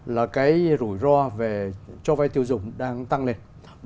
là cái rủi ro về cho vay tiêu dùng đang tăng lên